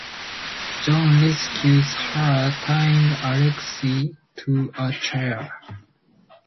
John rescues her, tying Alexei to a chair.